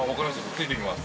ついていきます！